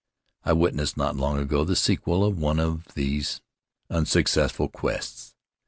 I witnessed, not long ago, the sequel of one of these unsuccessful quests.